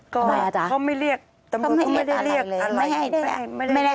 ก็เขาไม่เรียกตำรวจเขาไม่ได้เรียกอะไร